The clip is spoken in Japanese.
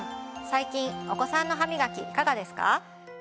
最近お子さんの歯みがきいかがですか？